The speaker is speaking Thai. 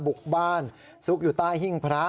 บุกบ้านซุกอยู่ใต้หิ้งพระ